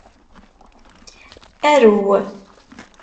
Arew.